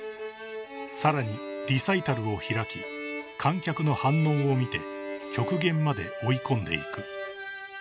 ［さらにリサイタルを開き観客の反応を見て極限まで追い込んでいく］